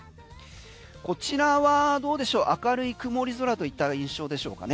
こちらはどうでしょう明るい曇り空といった印象でしょうかね。